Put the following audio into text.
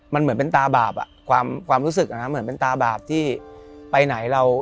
มันเหมือนเป็นตาบาปความรู้สึกเหมือนเป็นตาบาปที่ไปไหนเรา